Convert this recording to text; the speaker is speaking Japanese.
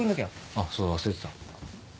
あっそうだ忘れてた。